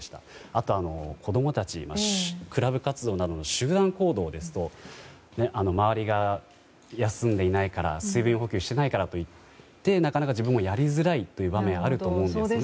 あと、子供たちクラブ活動などの集団行動ですと周りが休んでいないから水分補給していないからといってなかなか自分もやりづらいという場面があると思いますが。